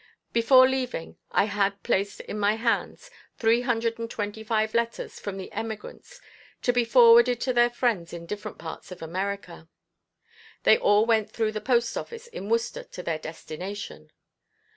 Before leaving I had placed in my hands three hundred and twenty five letters from the emigrants to be forwarded to their friends in different parts of America. They all went through the Post Office in Worcester to their destination.